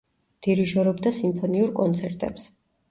დირიჟორობდა სიმფონიურ კონცერტებს.